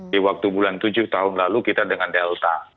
di waktu bulan tujuh tahun lalu kita dengan delta